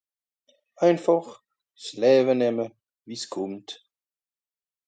Einfàch s Lääwe nämme, wie 's kùmmt.